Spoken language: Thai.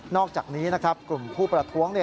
นอกจากนี้กลุ่มผู้ประท้วง